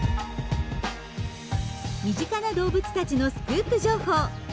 身近な動物たちのスクープ情報。